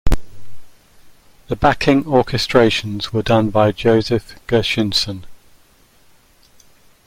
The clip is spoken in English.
The backing orchestrations were done by Joseph Gershinson.